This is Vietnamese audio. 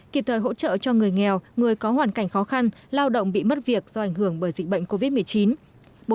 kịp thời hỗ trợ cho người nghèo người có hoàn cảnh khó khăn lao động bị mất việc do ảnh hưởng bởi dịch bệnh covid một mươi chín